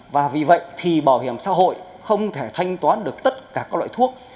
và vì vậy thì bảo hiểm xã hội không thể thanh toán được tất cả các loại thuốc